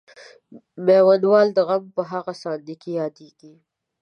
میوندوال د غم په هغه ساندې کې یادیږي.